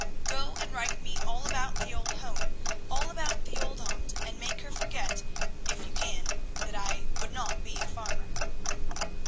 "Go, and write me all about the old home, all about the old aunt, and make her forget, if you can, that I would not be a farmer."